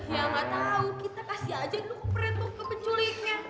ya nggak tahu kita kasih aja dulu pernah tuh ke penculiknya